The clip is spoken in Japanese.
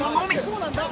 どうなんだ？